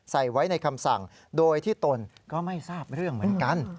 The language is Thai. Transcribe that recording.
ใส่ไว้ในคำสั่งโดยที่ตนก็ไม่ทราบเรื่องเหมือนกัน